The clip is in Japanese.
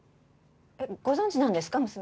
えっご存じなんですか？